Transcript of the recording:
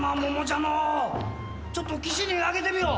ちょっと岸に揚げてみよう。